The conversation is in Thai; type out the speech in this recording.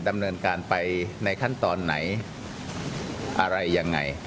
ดำเนินการไปในขั้นตอนไหนอะไรยังไง